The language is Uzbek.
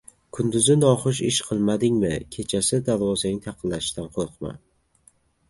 • Kunduzi noxush ish qilmadingmi, kechasi darvozang taqillashidan qo‘rqma.